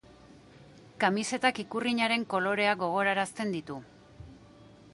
Kamisetak ikurrinaren koloreak gogoraratzen ditu.